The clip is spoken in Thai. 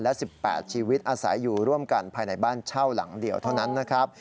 และ๑๘ชีวิตอาศัยอยู่ร่วมกันภายในบ้านเช่าหลังเดียวเท่านั้นนะครับ